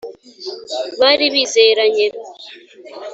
bari bizeranye